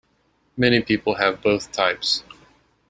Many people have both types.